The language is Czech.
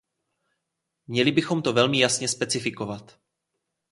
Měli bychom to velmi jasně specifikovat.